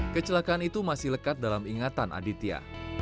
kecelakaan itu masih lekat dalam ingatan aditya